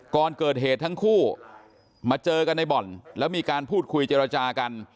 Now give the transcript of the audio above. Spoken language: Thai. ก่อนเกิดเหตุทั้งคู่มาเจอกันในบ่อนแล้วมีการพูดคุยเจรจากัน